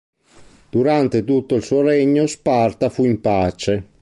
Durante tutto il suo regno Sparta fu in pace.